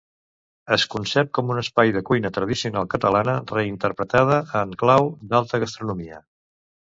Es concep com un espai de cuina tradicional catalana reinterpretada en clau d'alta gastronomia.